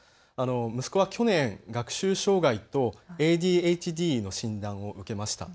息子は去年、学習障害とＡＤＨＤの診断を受けました。